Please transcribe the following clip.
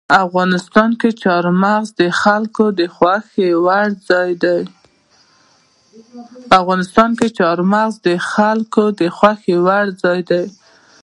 افغانستان کې چار مغز د خلکو د خوښې وړ ځای دی.